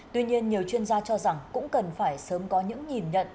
tuy nhiên nhiều chuyên gia cho rằng cũng cần phải sớm có những nhìn nhận